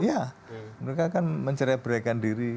ya mereka kan menceraih beraikan diri